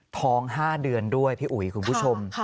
ท้อง๕เดือนด้วยพี่อุ๋ยคุณผู้ชม